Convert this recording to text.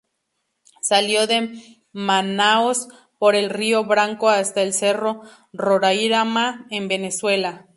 Salió de Manaos por el río Branco hasta el cerro Roraima en Venezuela.